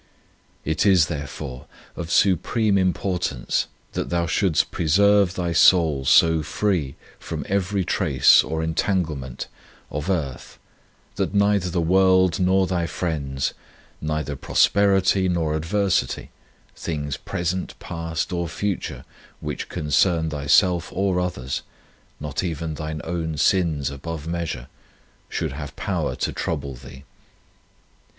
It is, therefore, of supreme im portance that thou shouldst pre serve thy soul so free from every trace or entanglement of earth 52 A Truly Devout Man that neither the world nor thy friends, neither prosperity nor adversity, things present, past, or future, which concern thyself or others, not even thine own sins above measure, should have power to trouble thee.